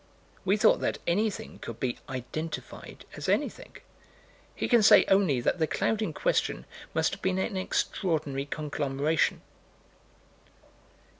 We thought that anything could be "identified" as anything. He can say only that the cloud in question must have been an extraordinary conglomeration.